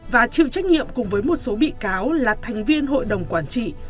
và chịu trách nhiệm cùng với một số bị cáo là thành viên hội đồng quản trị